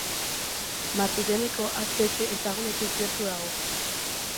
Martuteneko espetxe ezagunetik gertu dago.